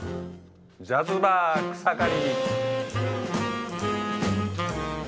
ジャズバー草刈。